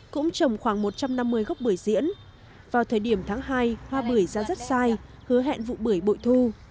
cũng trồng khoảng một trăm năm mươi gốc bưởi diễn vào thời điểm tháng hai hoa bưởi ra rất sai hứa hẹn vụ bưởi bội thu